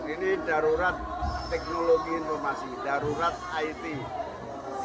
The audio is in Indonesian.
ini darurat teknologi informasi darurat it